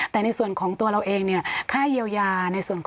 แต่ในส่วนของตัวเราเองค่าเยียวยา